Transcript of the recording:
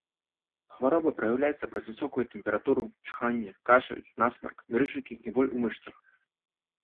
Хвароба праяўляецца праз высокую тэмпературу, чханне, кашаль, насмарк, дрыжыкі і боль у мышцах.